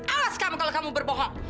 alas kamu kalau kamu berbohong